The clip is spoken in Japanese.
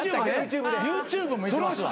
ＹｏｕＴｕｂｅもいけますわ。